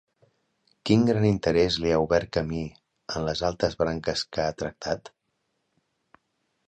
Quin gran interès li ha obert camí en les altres branques que ha tractat?